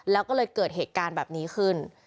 แล้วก็เลยเกิดเหตุการณ์แบบนี้ขึ้น